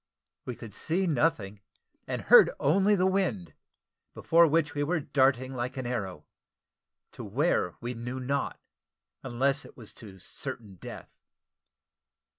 We could see nothing, and heard only the wind, before which we were darting like an arrow to where we knew not, unless it was to certain death.